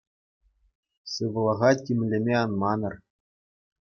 Сывлӑха тимлеме ан манӑр.